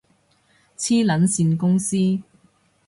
黐撚線公司